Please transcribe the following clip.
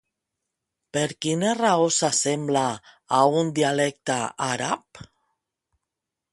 Per quina raó s'assembla a un dialecte àrab?